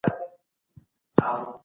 ايا انلاين درس د سفر اړتیا کموي؟